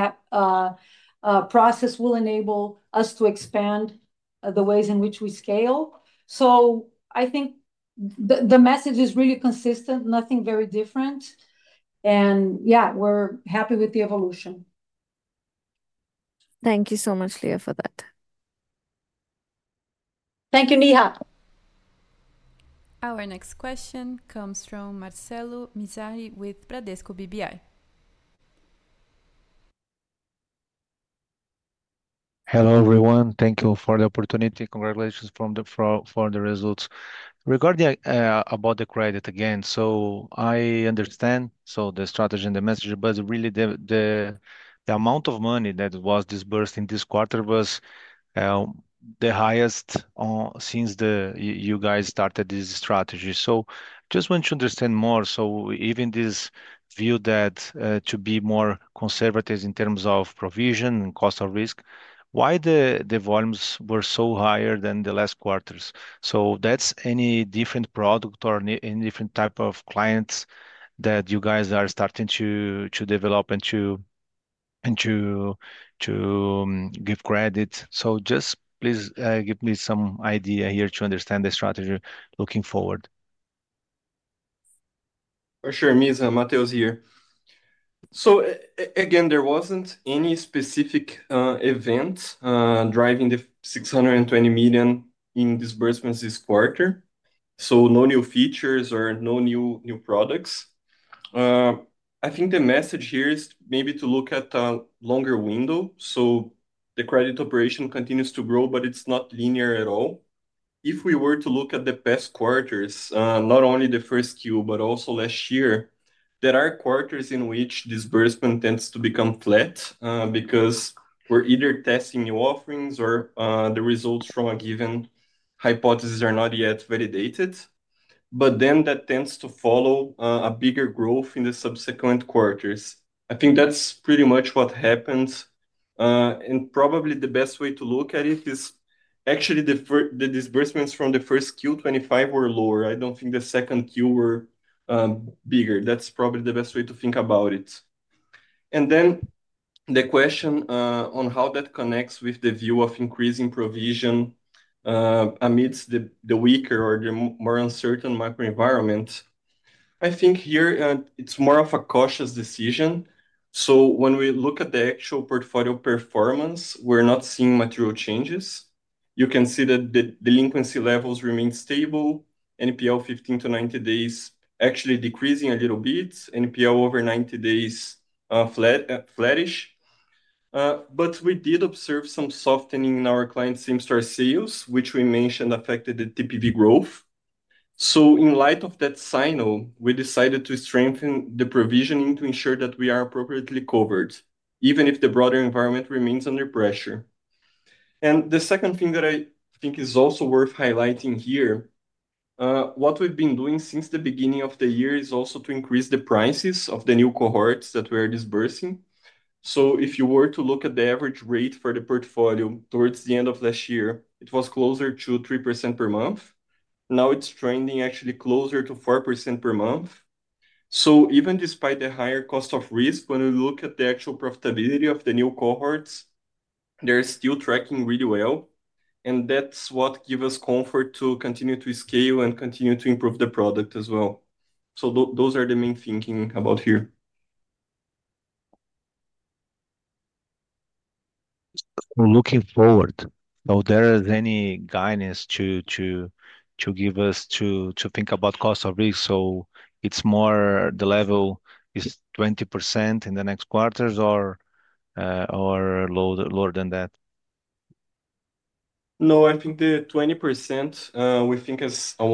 [SPEAKER 3] process will enable us to expand the ways in which we scale. I think the message is really consistent, nothing very different. Yeah, we're happy with the evolution.
[SPEAKER 9] Thank you so much, Lia, for that.
[SPEAKER 3] Thank you, Neha.
[SPEAKER 1] Our next question comes from Marcelo Mizrahi with Bradesco BBI.
[SPEAKER 10] Hello everyone. Thank you for the opportunity. Congratulations for the results. Regarding the credit again, I understand the strategy and the message, but really, the amount of money that was dispersed in this quarter was the highest since you guys started this strategy. I just want to understand more. Even with this view to be more conservative in terms of provision and cost of risk, why were the volumes so much higher than the last quarters? Is there any different product or any different type of clients that you guys are starting to develop and to give credit to? Please give me some idea here to understand the strategy. Looking forward to it.
[SPEAKER 4] Sure. Mateus Scherer here. There wasn't any specific event driving the R$620 million in disbursements this quarter. No new features or new products. I think the message here is maybe to look at a longer window, so the credit operation continues to grow, but it's not linear at all. If we were to look at the past quarters, not only the first few, but also last year, there are quarters in which disbursement tends to become flat because we're either testing new offerings or the results from a given hypothesis are not yet validated. That tends to follow a bigger growth in the subsequent quarters. I think that's pretty much what happens. Probably the best way to look at it is actually the disbursements from the first quarter of 2025 were lower. I don't think the second quarter were bigger. That's probably the best way to think about it. The question on how that connects with the view of increasing provisioning amidst the weaker or the more uncertain microenvironment, I think here it's more of a cautious decision. When we look at the actual portfolio performance, we're not seeing material changes. You can see that the delinquency levels remain stable. NPL 15 to 90 days actually decreasing a little bit. NPL over 90 days flattish. We did observe some softening in our client same-store sales, which we mentioned affected the TPV growth. In light of that signal, we decided to strengthen the provisioning to ensure that we are appropriately covered, even if the broader environment remains under pressure. The second thing that I think is also worth highlighting here, what we've been doing since the beginning of the year is also to increase the prices of the new cohorts that we are disbursing. If you were to look at the average rate for the portfolio, towards the end of last year it was closer to 3% per month. Now it's trending actually closer to 4% per month. Even despite the higher cost of risk, when we look at the actual profitability of the new cohorts, they're still tracking really well. That's what gives us comfort to continue to scale and continue to improve the product as well. Those are the main thinking about here.
[SPEAKER 10] Looking forward, is there any guidance to give us to think about cost of risk? Is the level 20% in the next quarters or lower than that?
[SPEAKER 4] No, I think the 20% we think is a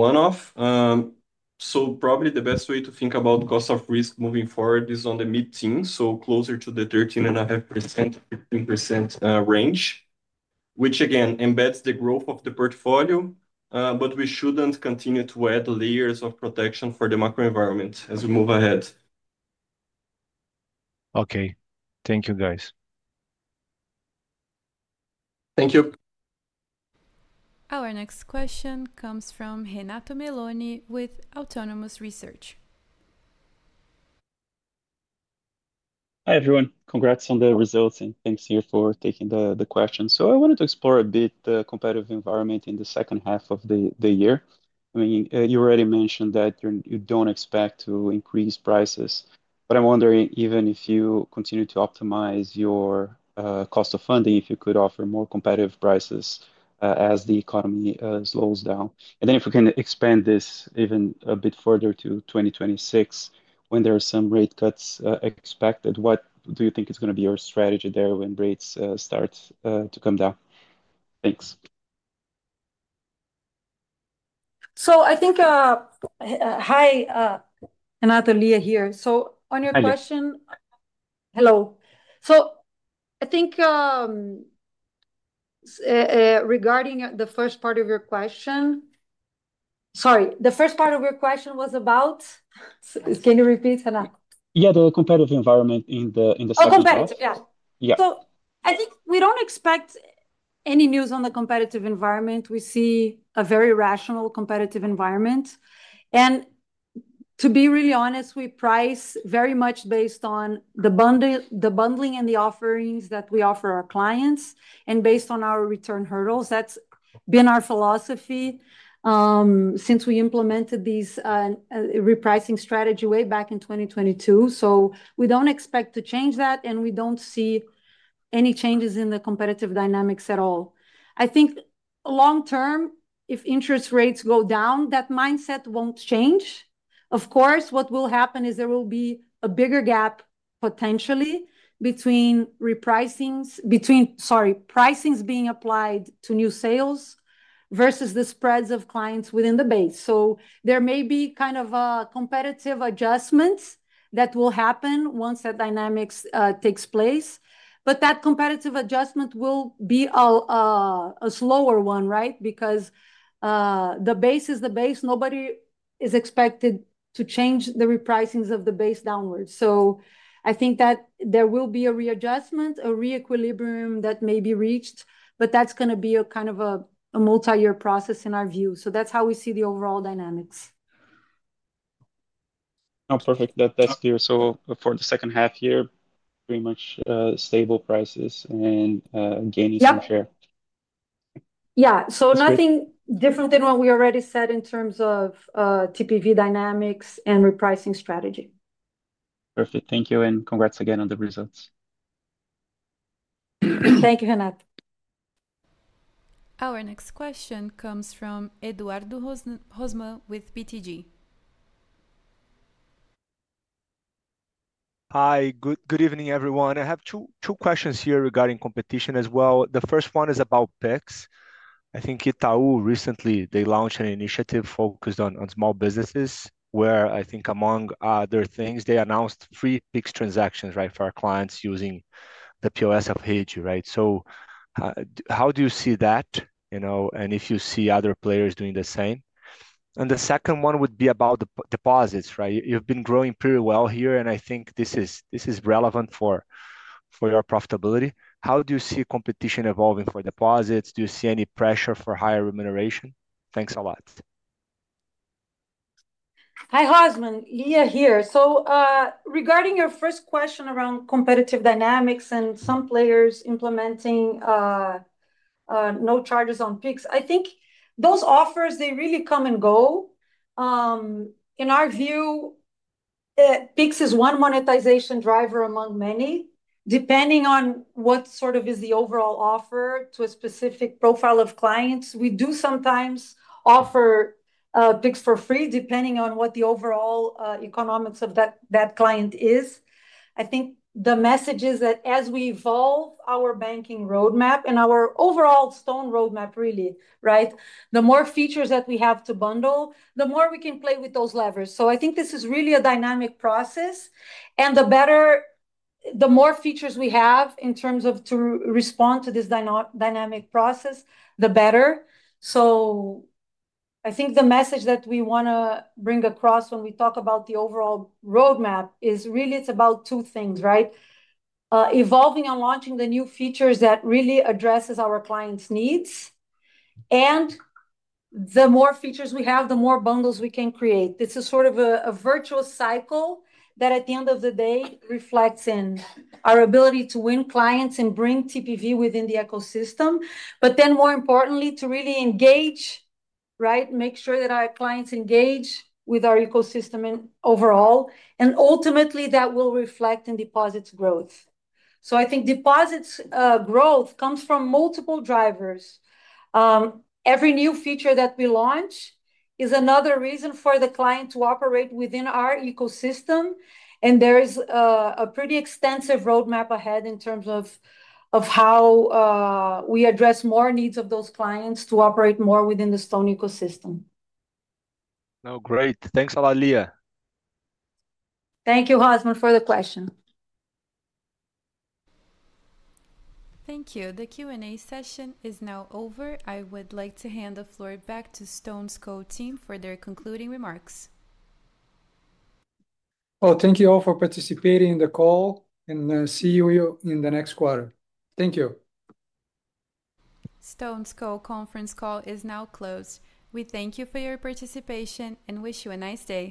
[SPEAKER 4] one-off. Probably the best way to think about cost of risk moving forward is in the mid-teens, so closer to the 13.5%-15% range, which again embeds the growth of the portfolio. We shouldn't continue to add layers of protection for the macro environment as we move ahead.
[SPEAKER 10] Okay, thank you guys.
[SPEAKER 4] Thank you.
[SPEAKER 1] Our next question comes from Renato Meloni with Autonomous Research.
[SPEAKER 11] Hi everyone. Congrats on the results and thanks here for taking the question. I wanted to explore a bit the competitive environment in the second half of the year. You already mentioned that you don't expect to increase prices, but I'm wondering even if you continue to optimize your cost of funding, if you could offer more competitive prices as the economy slows down and if we can expand this even a bit further to 2026 when there are some rate cuts expected. What do you think is going to be your strategy there when rates start to come down? Thanks.
[SPEAKER 3] Hi, Anatalia here. On your question, regarding the first part of your question, sorry, the first part of your question was about can you repeat? [Hannah?]
[SPEAKER 11] Yeah, the competitive environment in the South.
[SPEAKER 3] Competitive. Yeah, yeah. I think we don't expect any news on the competitive environment. We see a very rational competitive environment, and to be really honest, we price very much based on the bundle, the bundling and the offerings that we offer our clients and based on our return hurdles. That's been our philosophy since we implemented this repricing strategy way back in 2022. We don't expect to change that, and we don't see any changes in the competitive dynamics at all. I think long term, if interest rates go down, that mindset won't change. Of course, what will happen is there will be a bigger gap potentially between repricings, between, sorry, pricings being applied to new sales versus the spreads of clients within the base. There may be kind of a competitive adjustment that will happen once that dynamic takes place. That competitive adjustment will be a slower one, right, because the base is the base. Nobody is expected to change the repricings of the base downwards. I think that there will be a readjustment, a reequilibrium that may be reached. That is going to be a kind of a multi-year process in our view. That's how we see the overall dynamics.
[SPEAKER 11] Oh, perfect. That's clear. For the second half year, pretty much stable prices and gaining.
[SPEAKER 3] Yeah. Nothing different than what we already said in terms of TPV dynamics and repricing strategy.
[SPEAKER 11] Perfect. Thank you, and congrats again on the results.
[SPEAKER 3] Thank you. Renato.
[SPEAKER 1] Our next question comes from Eduardo Rosman with BTG.
[SPEAKER 12] Hi, good evening everyone. I have two questions here regarding competition as well. The first one is about PIX. I think Itaú recently launched an initiative focused on small businesses where, among other things, they announced free PIX transactions for clients using the POS of Heiji. Right. How do you see that? If you see other players doing the same, the second one would be about deposits. You've been growing pretty well here. I think this is relevant for your profitability. How do you see competition evolving for deposits? Do you see any pressure for higher remuneration? Thanks a lot.
[SPEAKER 3] Hi Hosman, Lia here. Regarding your first question around competitive dynamics and some players implementing no charges on PIX, I think those offers really come and go in our view. PIX is one monetization driver among many, depending on what is the overall offer to a specific profile of clients. We do sometimes offer PIX for free depending on what the overall economics of that client is. The message is that as we evolve our banking roadmap and our overall StoneCo roadmap, the more features that we have to bundle, the more we can play with those levers. This is really a dynamic process and the more features we have to respond to this dynamic process, the better. The message that we want to bring across when we talk about the overall roadmap is really it's about two things: evolving and launching the new features that really address our clients' needs, and the more features we have, the more bundles we can create. This is a sort of a virtuous cycle that at the end of the day reflects in our ability to win clients and bring TPV within the ecosystem, but then more importantly to really engage, make sure that our clients engage with our ecosystem overall, and ultimately that will reflect in deposits growth. Deposits growth comes from multiple drivers. Every new feature that we launch is another reason for the client to operate within our ecosystem. There is a pretty extensive roadmap ahead in terms of how we address more needs of those clients to operate more within the StoneCo ecosystem.
[SPEAKER 12] No. Great. Thanks a lot, Lia.
[SPEAKER 3] Thank you, Hosman, for the question.
[SPEAKER 1] Thank you. The Q&A session is now over. I would like to hand the floor back to StoneCo team for their concluding remarks.
[SPEAKER 2] Thank you all for participating in the call and see you in the next quarter. Thank you.
[SPEAKER 1] StoneCo's conference call is now closed. We thank you for your participation and wish you a nice day.